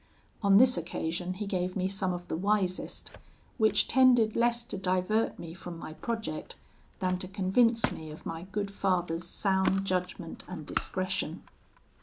On this occasion he gave me some of the wisest, which tended less to divert me from my project, than to convince me of my good father's sound judgment and discretion.